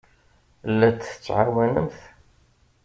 La t-tettɛawanemt?